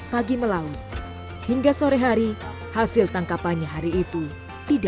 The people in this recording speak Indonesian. bagus banget sekali